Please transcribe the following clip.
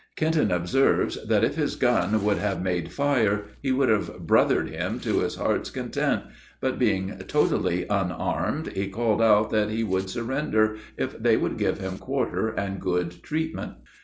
Kenton observes, that if his gun would have made fire, he would have "brothered" him to his heart's content, but, being totally unarmed, he called out that he would surrender if they would give him quarter and good treatment.